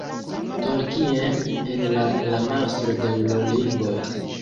Tolkien en la La Mastro de l' Ringoj.